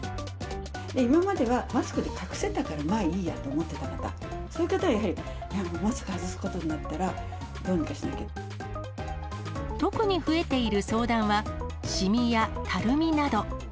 今まではマスクで隠せたからまあいいやと思っていた方、そういう方はやはり、マスク外すことになったら、どうにかしなき特に増えている相談は、しみや、たるみなど。